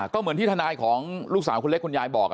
ก็เหมือนที่ทนายของลูกสาวคนเล็กคุณยายบอก